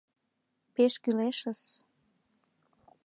— Пеш кӱлешыс.